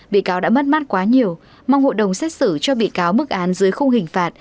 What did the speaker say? bị cáo đã mất mắt quá nhiều mong hội đồng xét xử cho bị cáo mức án dưới không hình phạt